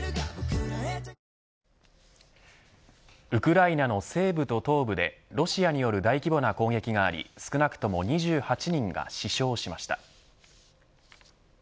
ウクライナの西部と東部でロシアによる大規模な攻撃があり少なくとも２８人が死傷しました。